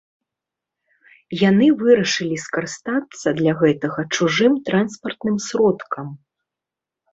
Яны вырашылі скарыстацца для гэтага чужым транспартным сродкам.